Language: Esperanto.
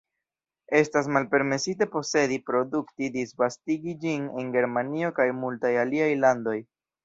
Estas malpermesite posedi, produkti, disvastigi ĝin en Germanio kaj multaj aliaj landoj.